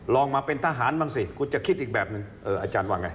ลองมาเป็นทหารบ้างสิคุณจะคิดอีกแบบนึงอาจารย์ว่าไง